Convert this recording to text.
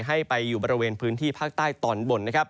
ให้ไปอยู่บริเวณพื้นที่ภาคใต้ตอนบนนะครับ